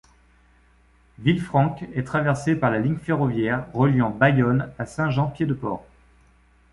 Villefranque est traversée par la ligne ferroviaire reliant Bayonne à Saint-Jean-Pied-de-Port.